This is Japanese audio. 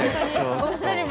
お二人も？